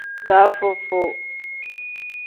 Dafuu-fuu.